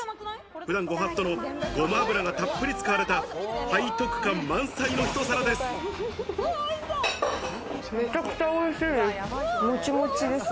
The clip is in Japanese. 普段ご法度のごま油がたっぷり使われた、背徳感満載のひと皿です。